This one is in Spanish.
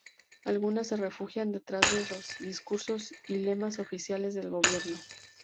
Algunas se refugian detrás de los discursos y lemas oficiales del gobierno.